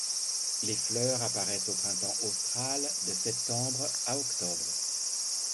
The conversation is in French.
Les fleurs apparaissent au printemps australe, de septembre à octobre.